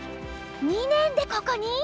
２年でここに？